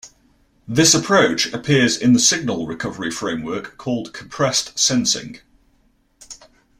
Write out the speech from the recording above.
This approach appears in the signal recovery framework called compressed sensing.